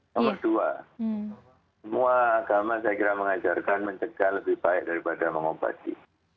nomor dua semua agama saya kira mengajarkan mencegah lebih baik daripada mengobati